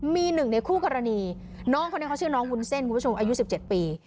มีหนึ่งในคู่กรณีน้องคนนี้เขาชื่อน้องวุ้นเส้นคุณผู้ชมอายุ๑๗ปี